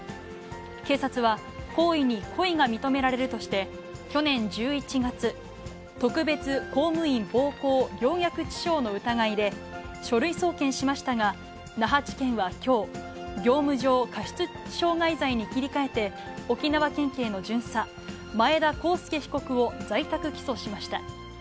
警察は行為に故意が認められるとして、去年１１月、特別公務員暴行陵虐致傷の疑いで、書類送検しましたが、那覇地検はきょう、業務上過失傷害罪に切り替えて、沖縄県警の巡査、前田光介被告を在宅起訴しました。